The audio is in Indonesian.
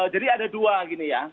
jadi ada dua gini ya